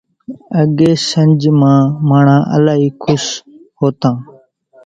اڳيَ شنجھ مان ماڻۿان الائِي کُش هوتان۔